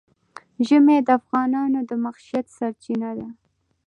ژمی د افغانانو د معیشت سرچینه ده.